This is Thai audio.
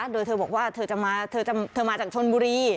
โดยเธอบอกว่าเธอมาจากชนบุรี